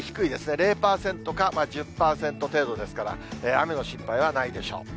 ０％か１０％程度ですから、雨の心配はないでしょう。